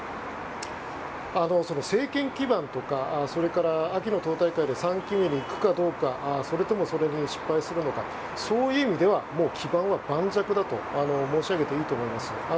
政権基盤とか秋の党大会で３期目に行くかどうかそれともそれに失敗するかどうかそういう意味ではもう基盤は盤石だと申し上げていいと思います。